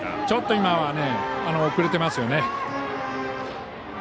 ちょっと今は遅れてますよね。